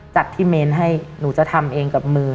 จัดที่เมนให้หนูจะทำเองกับมือ